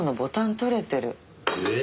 えっ？